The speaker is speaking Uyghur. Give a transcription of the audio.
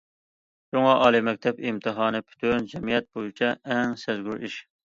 شۇڭا، ئالىي مەكتەپ ئىمتىھانى پۈتۈن جەمئىيەت بويىچە ئەڭ سەزگۈر ئىش.